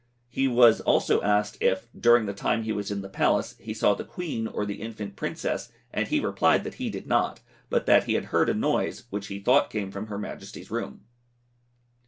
He was also asked if, during the time he was in the Palace, he saw the Queen or the infant Princess, and he replied that he did not, but that he had heard a noise, which he thought came from her Majesty's room.